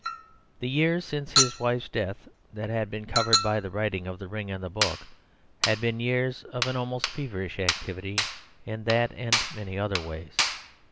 The years since his wife's death, that had been covered by the writing of The Ring and the Book, had been years of an almost feverish activity in that and many other ways.